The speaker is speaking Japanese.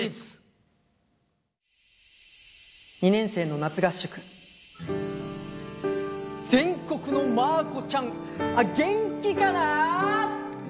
２年生の夏合宿「全国のマー子ちゃん元気かな？」。